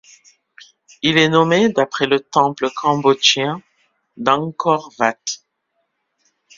Il est nommé d'après le temple cambodgien d'Angkor Vat.